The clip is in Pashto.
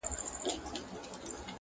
د نیکه او د بابا په کیسو پايي!